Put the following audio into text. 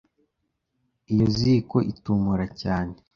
Iyo ziko itumura cyane.